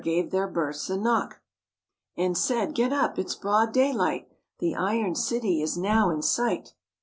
* I their berths a knock }jh| And said, "Get up; it's broad day light; The Iron City is now in sight."